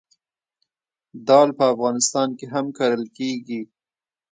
دال په افغانستان کې هم کرل کیږي.